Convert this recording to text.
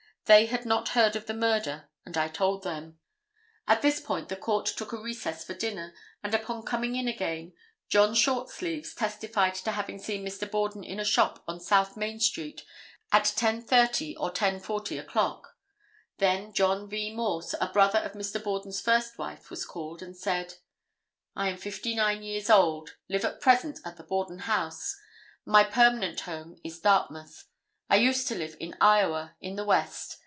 They had not heard of the murder and I told them." At this point the court took a recess for dinner, and upon coming in again, John Shortsleeves testified to having seen Mr. Borden in a shop on South Main street at 10:30 or 10:40 o'clock. Then John V. Morse, a brother of Mr. Borden's first wife, was called, and said: "I am 59 years old; live at present at the Borden house. My permanent home is Dartmouth. I used to live in Iowa, in the West.